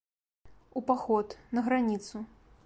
У паход, на граніцу.